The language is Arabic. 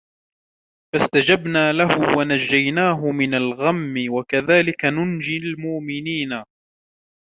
فَاسْتَجَبْنَا لَهُ وَنَجَّيْنَاهُ مِنَ الْغَمِّ وَكَذَلِكَ نُنْجِي الْمُؤْمِنِينَ